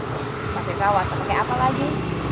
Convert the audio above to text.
tembak kawat pakai apa lagi